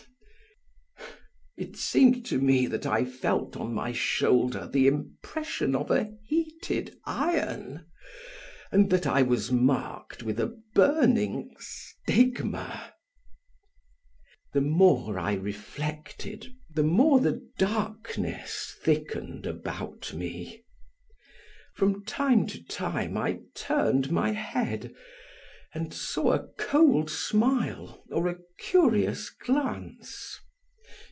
It seemed to me that I felt on my shoulder the impression of a heated iron and that I was marked with a burning stigma. The more I reflected, the more the darkness thickened about me. From time to time I turned my head and saw a cold smile or a curious glance.